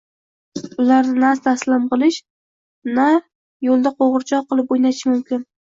Ularni na taslim qilish, na qo`lda qo`g`irchoq qilib o`ynatish mumkin